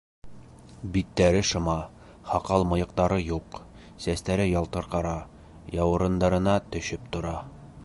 Биттәре шыма, һаҡал-мыйыҡтары юҡ, сәстәре ялтыр ҡара, яурындарына төшөп тора.